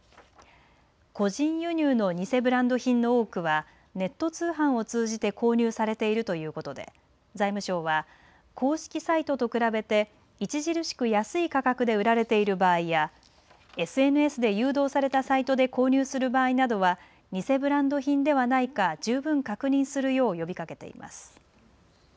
個人輸入の偽ブランド品の多くはネット通販を通じて購入されているということで財務省は公式サイトと比べて著しく安い価格で売られている場合やＳＮＳで誘導されたサイトで購入する場合などは偽ブランド品ではないか十分確認するよう呼びかけています。